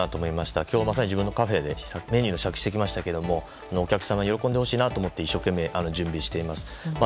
今日まさに自分のカフェでメニューの試食をしてきましたけどお客さんが喜んでほしいなと思って準備しています。